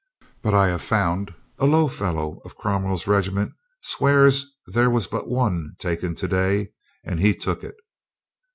But I have found a low fellow of Cromwell's regiment swears there was but one taken to day and he took it.